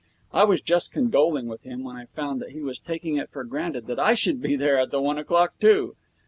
I was just condoling with him, when I found that he was taking it for granted that I should be there at one o'clock, too.